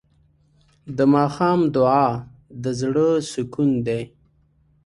د ماښام دعا د زړه سکون دی.